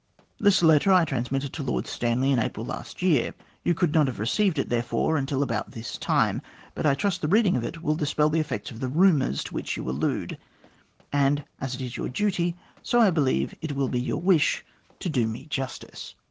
This letter I transmitted to Lord Stanley in April last. You could not have received it, there fore, until about this time, but I trust the reading of it will dispel the effects of the * rumours' to which you allude, and as it is your duty, so I believe it will be your wish, to do me justice.